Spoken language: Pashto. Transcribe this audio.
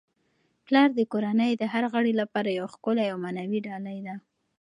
پلار د کورنی د هر غړي لپاره یو ښکلی او معنوي ډالۍ ده.